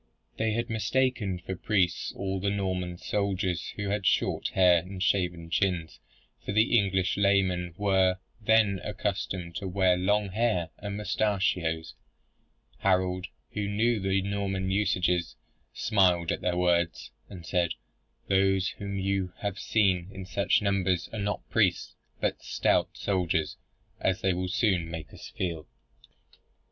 They had mistaken for priests all the Norman soldiers who had short hair and shaven chins; for the English layman were then accustomed to wear long hair and mustachios, Harold, who knew the Norman usages, smiled at their words and said, "Those whom you have seen in such numbers are not priests, but stout soldiers, as they will soon make us feel."